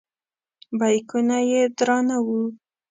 بیکونه یې درانه وو.